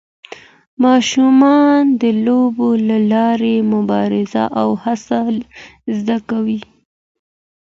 ماشومان د لوبو له لارې مبارزه او هڅه زده کوي.